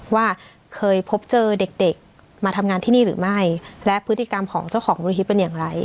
ว่าเคยพบเจอเด็กเด็กมาทำงานที่นี่หรือไม่และพฤติกรรมของเจ้าของมูลนิธิเป็นอย่างไร